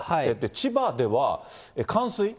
千葉では冠水？